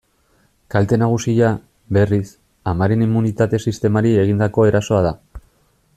Kalte nagusia, berriz, amaren immunitate-sistemari egindako erasoa da.